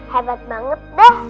hebat banget deh